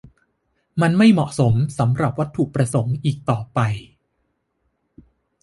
มันไม่เหมาะสมสำหรับวัตถุประสงค์อีกต่อไป